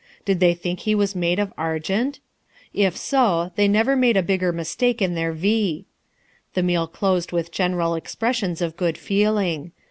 Did they think he was made of argent. If so, they never made a bigger mistake in their vie. The meal closed with general expressions of good feeling.